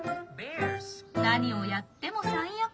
何をやっても最悪。